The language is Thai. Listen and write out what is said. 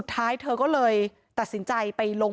แต่เธอก็ไม่ละความพยายาม